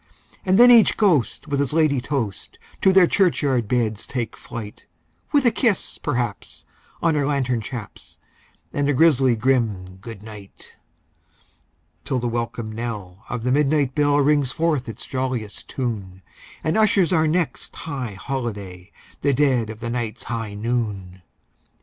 And then each ghost with his ladye toast to their churchyard beds take flight, With a kiss, perhaps, on her lantern chaps, and a grisly grim "good night"; Till the welcome knell of the midnight bell rings forth its jolliest tune, And ushers our next high holiday—the dead of the night's high noon!